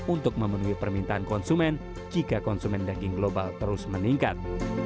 untuk memenuhi permintaan konsumen jika konsumen daging global terus meningkat